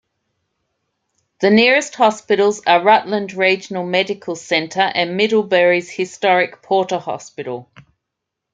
The nearest hospitals are Rutland Regional Medical Center and Middlebury's historic Porter Hospital.